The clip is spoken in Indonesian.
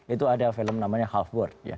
itu ada film namanya half bird